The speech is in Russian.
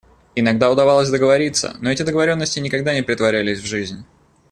Иногда удавалось договориться, но эти договоренности никогда не претворялись в жизнь.